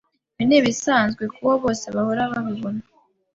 Ibi nibisanzwe kuo bose bahora babino?